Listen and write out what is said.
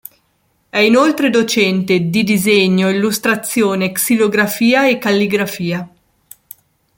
È inoltre docente di disegno, illustrazione, xilografia e calligrafia.